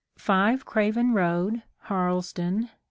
5 Craven Road, Harlesden, N.